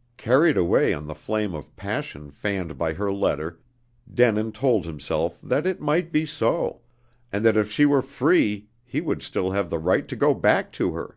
... Carried away on the flame of passion fanned by her letter, Denin told himself that it might be so, and that if she were free he would still have the right to go back to her.